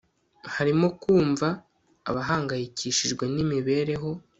harimo kumva bahangayikishijwe n'imibereho